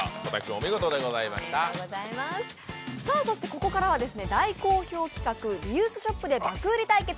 ここからは大好評企画、リユースショップで爆売り対決